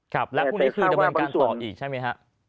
ครับแล้วพรุ่งนี้คือจะมีการต่ออีกใช่ไหมครับ